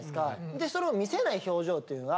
でそれを見せない表情というのが。